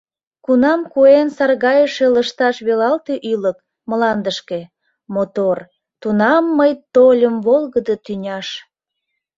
Кунам куэн саргайыше лышташ Велалте ӱлык, мландышке, мотор, Тунам мый тольым волгыдо тӱняш.